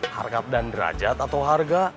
harga dan derajat atau harga